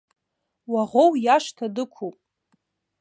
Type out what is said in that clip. Уаӷоу иашҭа дықәуп.